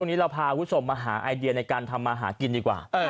วันนี้เราพาคุณผู้ชมมาหาไอเดียในการทำมาหากินดีกว่า